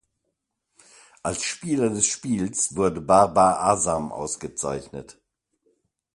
Als Spieler des Spiels wurde Barbar Azam ausgezeichnet.